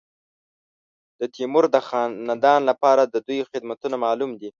د تیمور د خاندان لپاره د دوی خدمتونه معلوم دي.